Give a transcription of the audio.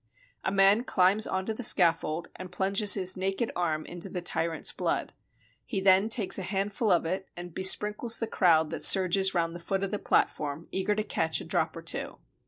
A man climbs on to the scaffold, and plunges his naked arm into the tyrant's blood. He then takes a handful of it, and besprinkles the crowd that surges round the foot of the platform, eager to catch' a drop or two.